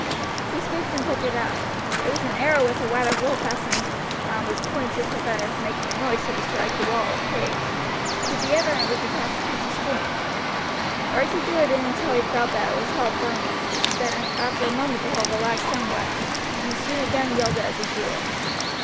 He stooped and picked it up, it was an arrow with a wad of wool fastened round its point to prevent it from making a noise should it strike the wall or cage; to the other end was attached a piece of string. Archie drew it in until he felt that it was held firmly, then after a moment the hold relaxed somewhat, and the string again yielded as he drew it.